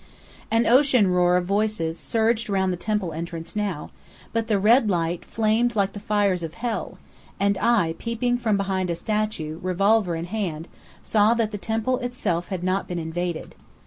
An ocean roar of voices surged round the temple entrance now; but the red light flamed like the fires of hell, and I, peeping from behind a statue, revolver in hand, saw that the temple itself had not been invaded.